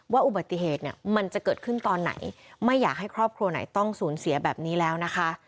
อุบัติเหตุเนี่ยมันจะเกิดขึ้นตอนไหนไม่อยากให้ครอบครัวไหนต้องสูญเสียแบบนี้แล้วนะคะ